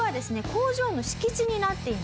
工場の敷地になっています。